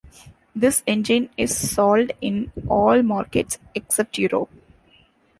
This engine is sold in all markets except Europe.